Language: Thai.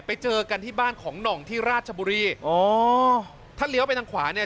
ไปเจอกันที่บ้านของหน่องที่ราชบุรีอ๋อถ้าเลี้ยวไปทางขวาเนี่ย